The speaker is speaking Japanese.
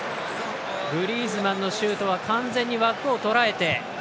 グリーズマンのシュートは完全に枠をとらえて。